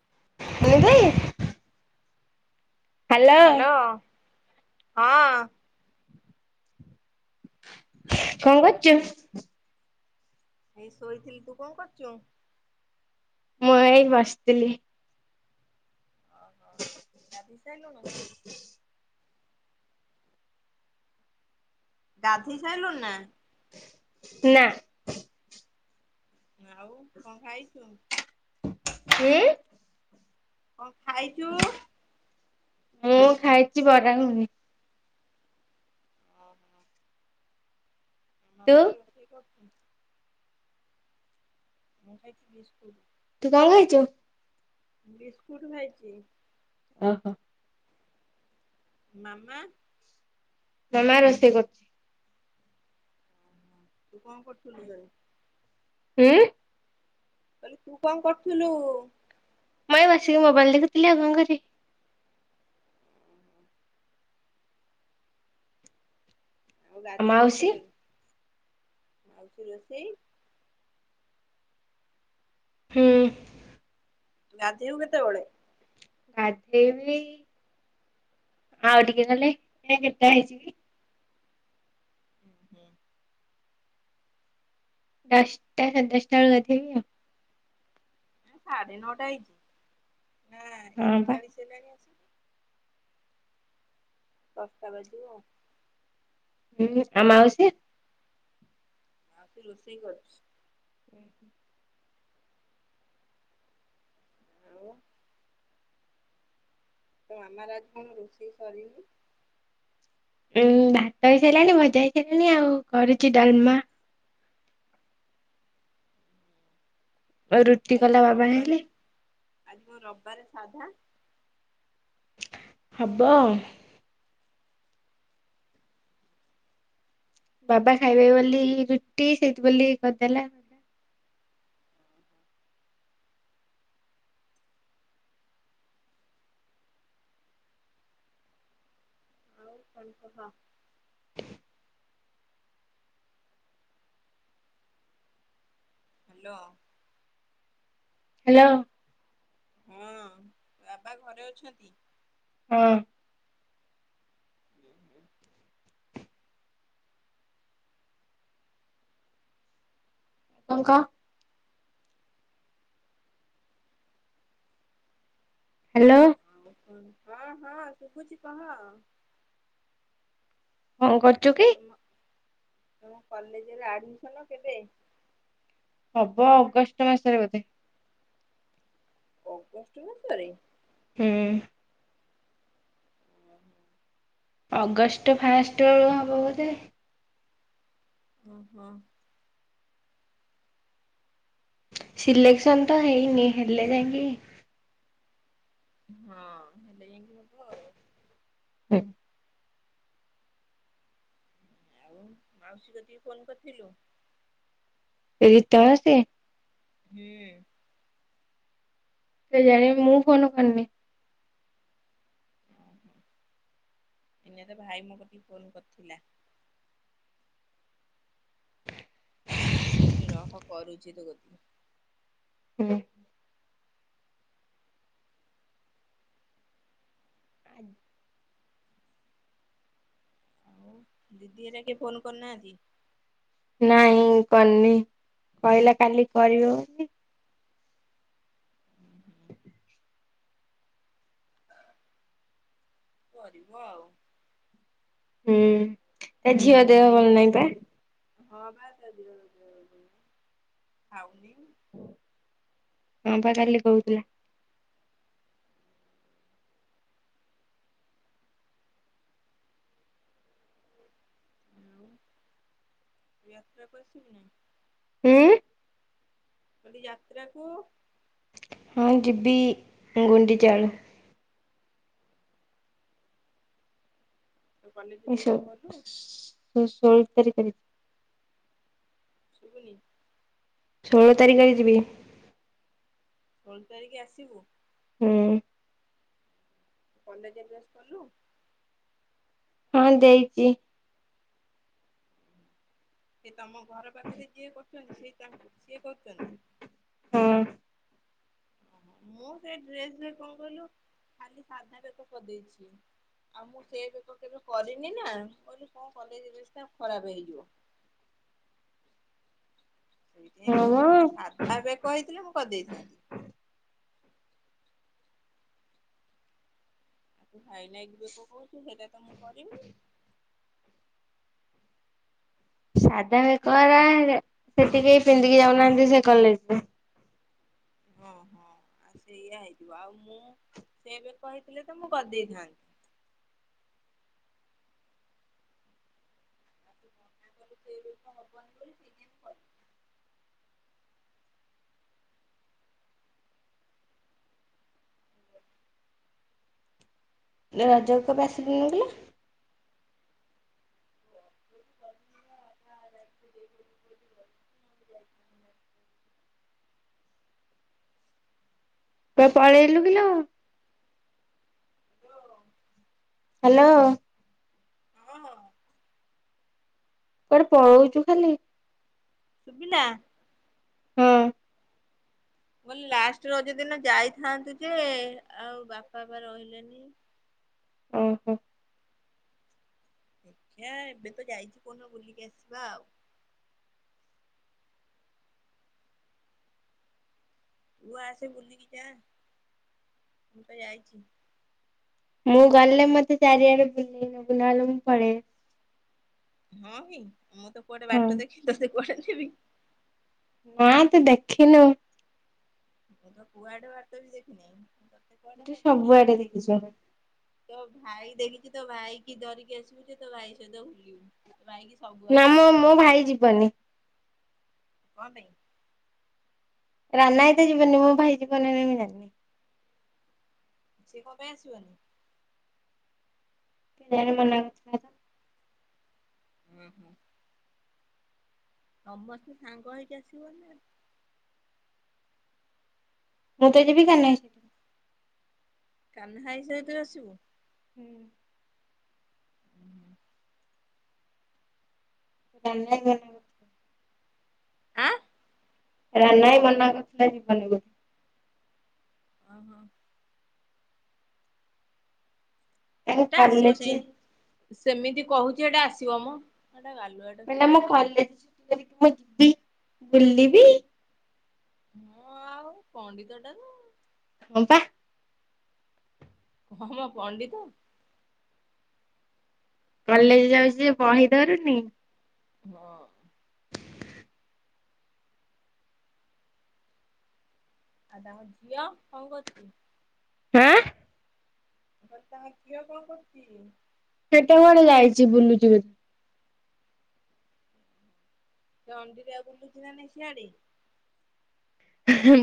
[unintelligible] Hello hello ହଁ। କଣ କରୁଛୁ? ଏଇ ଶୋଇଥିଲି ତୁ କଣ କରୁଚୁ? ମୁଁ ଏଇ ବସିଥିଲି। ଓହୋ ଗାଧେଇ ସାଇଲୁଣି। ଗାଧେଇ ସାଇଲୁଣୁୁ ନା। ନା। ଆଉ କଣ ଖାଇଛୁ? ଉଁ। କଣ ଖାଇଚୁ? ମୁଁ ଖାଇଛି ବରା ଗୁଗୁନି। ତୁ ମାମା ରୋଷେଇ କରୁଛି। ମୁଁ ଖାଇଛି ବିସ୍କୁଟ୍। ତୁ କଣ ଖାଇଛୁ? ବିସ୍କୁଟ୍ ଖାାଇଛି। ଓହୋ। ମାମା। ମାମା ରୋଷେଇ କରୁଛି। ତୁ କଣ କରୁଥିଲୁ ତାହେଲେ? ହୁଁ। କହିଲି ତୁ କଣ କରୁଥିଲୁ? ମୁଁ ଏଇ ବସିକି ମୋବାଇଲ ଦେଖୁଥିଲି ଆଉ କଣ କରିବି। ଆଉ ଗାଧେଇବୁ କେତେବେଳେ ଆଉ ରୋଷେଇ। ହୁଁ। ଗାଧେଇବୁ କେତେବଳେ? ଗାଧେଇବି ଆଉ ଟିକେ ଗଲେ ଏଇନା କେତେଟା ହେଇଛି କି? ହୁଁ। ଦଷ୍ଟା ସାଢେଦଷ୍ଟା ବେଳକୁ ଗାଧେଇବି ଆଉ। ସାଢ଼େ ନଅଟା ହେଇଛି ହୁଁ ଆଉ ହଁ ପା ଏକଚାଳିଶ ହେଲେ ଦଷ୍ଟା ବାଜୁ ଉଁ ହୁଁ ଆଉ ମାଉସୀ? ଯାଉଛି ରୋଷେଇ କରୁଛି। ଉଁ ହୁଁ। ଆଉ। ତୋ ମମାର ଆଜି କଣ ରୋଷେଇ ସରିନି। ଉଁ ଭାତ ହେଇସାରିଲାଣି ମଜା ହେଇସାରିଲାଣି ଆଉ କରୁଛି ଡାଲମା। ରୁଟି ଆଜି କଲା କଣ ବାବା ରବିବାର ହେଲେ ଆଜି କଣ ରବିବାର ସାଧା। ହବ ଆଉ। ବାବା ଖାଇବେ ଆଉ ବୋଲି ରୁଟି ସେଇଥୀ ବୋଲି କରିଦେଲା। ଆଉ କଣ କହ। ହାଲୋ। ହ୍ୟାଲୋ। ହଁ ବାବା ଘରେ ଅଛନ୍ତି। ହଁ। ଯାଇଥିଲେ। କଣ କହ। ହ୍ୟାଲୋ। ଆଉ ହଁ ହଁ ଶୁଭୁଛି କହ। କଁ କରୁଛୁ କି? ତମ ତମ କଲେଜରେ ଆଡମିସନ କେବେ। ହବ ଅଗଷ୍ଟ ମାସରେ ବୋଧେ। ଅଗଷ୍ଟ ମାସରେ। ହୁଁ। ଓ ହୋ। ଅଗଷ୍ଟ ଫାଷ୍ଟ ବେଳୁ ହବ ବୋଧେ। ଅ ହଁ। ସିଲେକ୍ସନ ତ ହେଇନି ହେଲେ ଯାଇକି ହଁ ହେଲେ ଯାଇକି ହବ ଆଉ। ହୁଁ। ଆଉ ମାଉସୀ କତିକୁ ଫୋନ କରିଥିଲୁ। ଏଇ ତାସେ। ହୁଁ। କେଜାଣି ମୁଁ ଫନ କରନି। ଏଇନେତ ତ ଭାଇ ମୋ କତିକି ଫୋନ କରିଥିଲା। ମୁଁ କହିଲି ରହ କରୁଛି ତୋ କତିକି। ହୁଁ। ଆଉ ଦିଦି ହେରା କେ ଫୋନ କରିନାହାନ୍ତି। ନାଇଁ କରିନି କହିଲା କାଲି କରିବ ବୋଲି। କରିବ ଆଉ। ହୁଁ ତା ଆଉ ଝିଅ ଦେହ ଟାଇମ ଭଲ ହେଲେ ନହିଁ ପା। ହଁ ବା ତାଦେହ [inaudible] ଖାଉନି। ହଁ ବା କାଲି କହୁଥିଲା। ଆଉ ଯାତ୍ରା କୁ ଆସିବୁନା। ହଁ। କହିଲି ଯାତ୍ରାକୁ। ହଁ ଜିବି ଗୁଣ୍ଡଚା ବେଳକୁ। ତୁ କଲେଜ ଡ୍ରେସ କଲୁ? ଏ ସୋ [inaudible] କରି। ଶୁଭୁନି। ଷୋହଳ ତାରିଖରେ ଯିବି। ଷୋଳ ତାରିଖ ଆସିବୁ। ହୁଁ। କଲେଯେ ଡ୍ରେସ କଲୁ ହଁ ଦେଇଚି। ସେ ତମ ଘର ପାଖରେ ଯିଏ କରୁଚନ୍ତି ସେଇ ସିଏ କରୁଚନ୍ତି। ହଁ ମୁଁ ସେ ଡ୍ରେସ ରେ କଣ କହିଲୁ ଖାଲି ସାଧା ବେକ କରିଦେଇଛି। ଆଉ ମୁଁ ସେ ବେକ କେବେ କରିନି ନା କଲେ କଣ କଲେସ୍ ଖରାପ ହେଇଯିବ। ସେଇଥି ପାଇଁ ହଁ କଲି ମ ଆ ସାଧା ବେକ ହେଇଥିଲେ। ମୁଁ କରିଦେଇଥାନ୍ତି। ଆଉ ତୁ ହାଇ ନାଇିକ ବେକ କହୁଛୁ ସେଇଟା ତ ମୁଁ କରିନି। ସାଧା ବେକ ବାଲା ସେ ସେଠି କେହି ପିନ୍ଧିକି ଯାଉନାହାନ୍ତି ସେ କଲେଜକୁ। ଓ ହୋ। ଆ ସେଇଆ ହେଇଥିବ ଆଉ ମୁଁ ସେ ବେକ ହେଇଥିଲେ ତ ମୁଁ କରିଦେଇଥାନ୍ତି। ମନା କଲୁ ସେ ବେକ ହବନ ବୋଲି ସେଇଥି ପାଇଁ ମୁଁ କଲିନି। ରଜକୁ ତ [unintelligible] ନଥିଲ। [unintelligible] [unintelligible] କୁଆଡ଼େ ପଳେଇଲୁ କିଲୋ ହାଲୋ। ହାଲୋ। ହଁ। କୁଆଡେ ପଳୋଉଚୁ ଖାଲି ସୁବିଲା ହଁ ମୁଁ କହିଲି ଲାଷ୍ଟ ରଜ ଦିନ ଯାଇଥାନ୍ତୁ ଯେ ଆଉ ବାପା ପା ରହିଲେନି। ଓହୋ। ଦେଖିଆ ଏବେ ତ ଯାଇଛି କୋଉଦିନ ବୁଲିକି ଆସିବା ଆଉ। ତୁ ଆସେ ବୁଲିକି ଯା ମୁଁ ତ ଯାଇଚି। ମୁଁ ଗଲେ ମତେ ଚାରିଆଡେ ବୁଲେଇନ ବୁଲାଲେ ମୁଁ ପଳେଇ ଆସିବି। ହଁ କି ମୁଁ ତ କୁଆଡେ ବାଟ ଦେଖିନି ତତେ କୁଆଡେ ନେବି ହଁ ତୁ ଦେଖିନୁ ମୁଁ ତ କୁଆଡେ ବାଟ ବି ଦେଖିନି। ତୁ [unintelligible] ସବୁଆଡେ ଭାଇ ଦେଖିଛୁ ତୋ ଭାଇ ଦେଖି ଭାଇ କି ଧରିକି ଆସିବୁ ତୋ ଭାଇ ସହିତ ବୁଲିବୁ। ତୋ ଭାଇକି ନା ସବୁଆଡେ ମ ମୋ ଦେଖିଛି ଭାଇ ଯିବନି। କଣପାଇଁ? ରାନା ଭାଇ ତ ଜିବନୀ ମୋ ଭାଇ ଜୀବ ନା ନାହିଁ ମୁଁ ଜାଣିନି। ସିଏ କଣ ପାଇଁ ଆସିବନି? କେଜାଣ ମନା କରୁଥିଲା ତ। ଉହୁଁ। ସମସ୍ତେ ସାଙ୍ଗ ହେଇକି ଆସିବ ନା। ମୁଁ ତ ଯିବି କାହ୍ନା ଭାଇ ସହିତ। କାହ୍ନା ଭାଇ ସହିତ ଆସିବୁ ହୁଁ। ଆସିବୁ। [unintelligible] ଆଁ ରାନା ଭାଇ ମନା କରରୁଥିଲା ଜୀବନି ବୋଲି। ଓ ହୋ। ତାଙ୍କ ହେଟା ଆସିବ କଲେଜ ସେ ସେମିତି କହୁଛି ହେଟା ଆସିବ ମ। ଏଟା ଗାଲୁଆଟା କହିଲା ସବୁ। ମୁଁ କଲେଜ ଛୁଟିି କରିକି ମୁଁ ଯିବି ବୁଲିବି ହଁ ଆଉ ପଣ୍ଡିତ ଟା ତ ହଁ ପା। କମ ପଣ୍ଡିତ କଲେଜ ଯାଉଛି ଯେ ବହିି ଦରୁନି, ହଁ। ଆଁ ତାଙ୍କ ଝିଅ, କଣ କରୁଚି? ହାଁ? ମୁଁ କଇଲି ତାଙ୍କ ଝିଅ, କଣ କରୁଚି? ସେଟା କୁଆଡେ ଯାଇଛି, ବୁଲୁଚି ବୋ ସେ ଅଣ୍ଡିରା ଆଉ ବୁଲୁଚି ନା ନହିଁ ସିଆଡେ?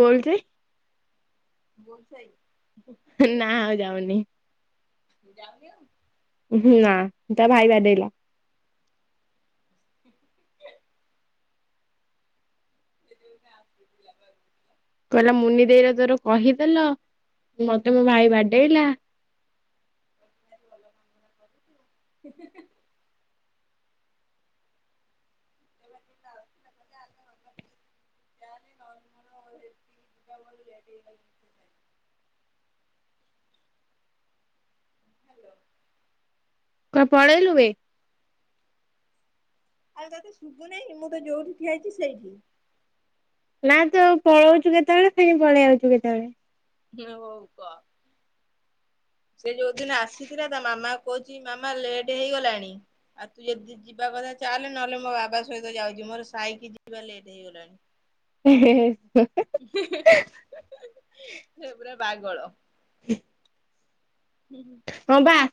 ବୋଲଚି। ବୋଲ ଛେଇ। ନା [inaudible] ଯାଉନି ଆଉ? ହୁଁ ନା, ତା ଭାଇ ବାଡେଇଲା। [inaudible] [unintelligible] କହିଲା, ମୁନି ଦେଇ ତୋର କହିଦେଲ ମତେ ମୋ ଭାଇ ବାଡେଇଲା। [unintelligible] [inaudible] [inaudible] ହ୍ୟାଲୋ। କୁଆଡେ ବଳେଇଲୁ ବେ? ଆଉ ତତେ ଶୁଭୁନହିଁ? ମୁଁ ତ ଯୋଉଠି ଠିଆଇଛି ସେଇଠି। ନା ତୁ ପଳଉଛୁ କେତେବେଳେ ଖଣି ପଳେଇ ଆଉଛୁ କେତେବେଳେ। ହୁଁ ହଉ କହ? ସେ ଯୋଉ ଦିନ ଆସିଥିଲା ତା ମାମା କହୁଛି ମାମା ଲେଟ୍ ହେଇଗଲାଣି, ଆଉ ତୁ ଯଦି ଯିବା କଥା ଚାଲେ ନହେଲେ ମୋ ବାବା ସହିତ ଯାଉଛି, ମୋର ସାଇକି ଯିବା ଲେଟ୍ ହେଇଗଲାଣି। ହେଁ ହେଃ। [inaudible] ସେ ପୁରା ବାଗଳ। [inaudible] ହୁଁ ହୁଁ।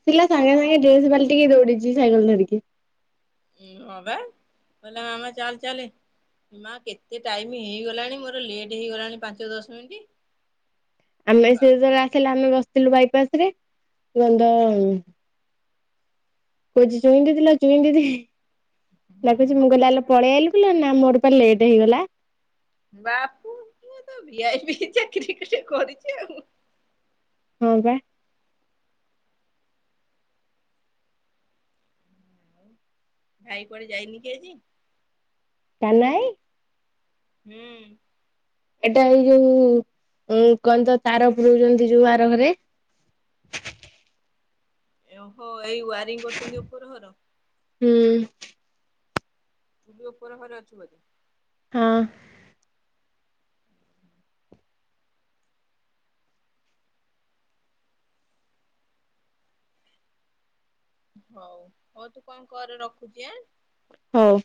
ପିଲା ସାଙ୍ଗେ ସାଙ୍ଗେ ଡ୍ରେସ ବାଲଟିକେ ଦୌଡିିଛି ସାଇକେଲ ଧରିକି। ହୁଁ ଅବା କଇଲା ମାମା ଚାଲେ ଚାଲେ। ମା କେତେ ଟାଇମ ହେଇଗଲାଣି, ମୋର ଲେଟ୍ ହେଇଗଲାଣି ପାଞ୍ଚ ଦଶ ମିନିଟ। ଆମେ ସେ ଜର ଆସିଲା ଆମେ ବସିଥିଲୁ ବାଇପାସ ରେ ଗନ୍ଧ କହୁଛି ଚୁଇଁ ଦିଥିଲ ଚୁଇଁ ଦିଦି ଲଖୁଛି, ମୁଁ ଗଲେ ହେ ପଳେଇ ଆଲୁ ନା ମୋର ଲେଟ୍ ହେଇଗଲା। ବାପୁ ପୁଅ ତୋ ଭିଆଇପି ଚାରିକି ଗୁଟେ କରିଛି ଆଉ। ହଁ ବା। ଭାଇ ପରେ ଯାଇନି କି ଆଜି? କାନା ଇ। ହୁଁ। ଏଇଟା ଏଇ ଯୋଉ ଉ କହନ୍ତ ତାର ପୁରଉଛନ୍ତି, ଯୋଉ ଆର ଘରେ। ହୋ ଏଇ ୱାରିଙ୍ଗ କରୁଛନ୍ତି, ଉପର ଘର। ହୁଁ। ତୁ ବି ଉପରେ ଘରେ ଅଛୁ ବଧେ? ହଁ। ହଉ ହଉ ତୁ କଣ କର ରଖୁଛି ଆଁ। ହଉ।